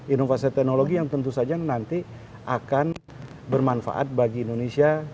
inovasi teknologi yang tentu saja nanti akan bermanfaat bagi indonesia